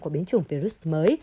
của biến chủng virus mới